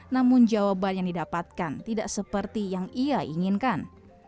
namun jawabannya didapatkan tidak seperti yang ia inginkan